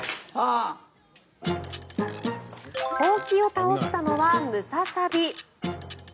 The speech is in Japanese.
ほうきを倒したのはムササビ。